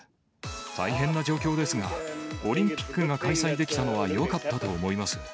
大変な状況ですが、オリンピックが開催できたのはよかったと思います。